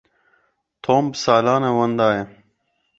Tom bi salan e wenda ye.